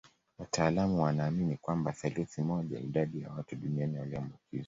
Wataalamu wanaamini kwamba theluthi moja ya idadi ya watu duniani waliambukizwa